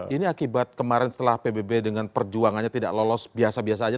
ini akibat kemarin setelah pbb dengan perjuangannya tidak lolos biasa biasa saja